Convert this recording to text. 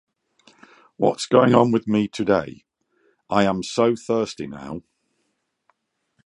What's going on with me today? I am so thirsty now.